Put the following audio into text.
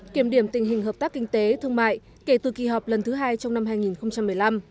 kiểm điểm tình hình hợp tác kinh tế thương mại kể từ kỳ họp lần thứ hai trong năm hai nghìn một mươi năm